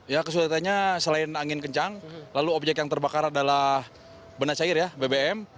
ya kesulitannya selain angin kencang lalu objek yang terbakar adalah benda cair ya bbm